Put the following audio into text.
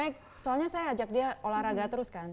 ya makanya soalnya saya ajak dia olahraga terus kan